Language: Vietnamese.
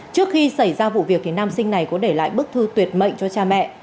trước khi xảy ra vụ việc thì nam sinh này có để lại bức thư tuyệt mệnh cho cha mẹ